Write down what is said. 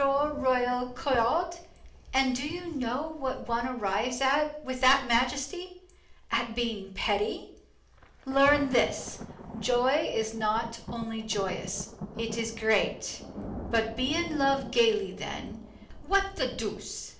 Royer Collard. And do you know what one arrives at with that majesty? at being petty. Learn this: joy is not only joyous; it is great. But be in love gayly then, what the deuce!